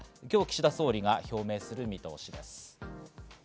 今日、岸田総理が表明する見通しです。